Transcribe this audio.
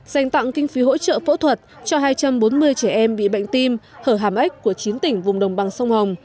dành tặng kinh phí hỗ trợ phẫu thuật cho hai trăm bốn mươi trẻ em bị bệnh tim hở hàm ếch của chín tỉnh vùng đồng bằng sông hồng